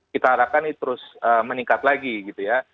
kita harapkan ini terus meningkat lagi gitu ya